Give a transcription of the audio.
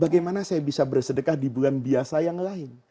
bagaimana saya bisa bersedekah di bulan biasa yang lain